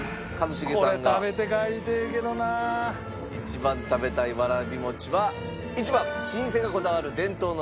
一番食べたいわらび餅は１番老舗がこだわる伝統の味